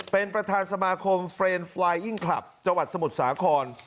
เป็นประธานสมาคมเฟรนด์ไฟล์อิ้งคลับจังหวัดสมุทรสาคร